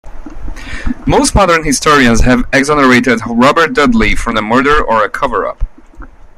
Most modern historians have exonerated Robert Dudley from murder or a cover-up.